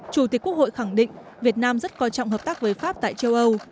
chủ tịch quốc hội khẳng định việt nam rất coi trọng hợp tác với pháp tại châu âu